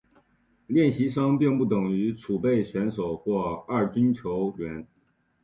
练习生并不等于储备选手或二军球员。